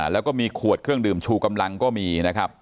แล้วก็มีขวดเครื่องดื่มชูกำลังก็มีนะครับ